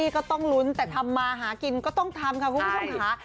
ก็ต้องลุ้นแต่ทำมาหากินก็ต้องทำค่ะคุณผู้ชมค่ะ